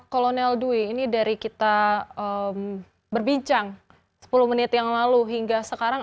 kolonel dwi ini dari kita berbincang sepuluh menit yang lalu hingga sekarang